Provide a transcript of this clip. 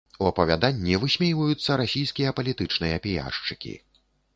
У апавяданні высмейваюцца расійскія палітычныя піяршчыкі.